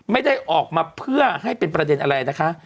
ไม่ได้ออกมาเพื่อให้เป็นประเด็นอะไรนะคะ